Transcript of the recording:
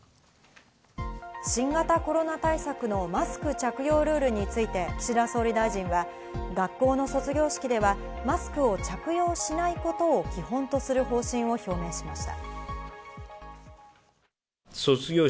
新型コロナ対策のマスク着用ルールについて岸田総理大臣は学校の卒業式では、マスクを着用しないことを基本とする方針を表明しました。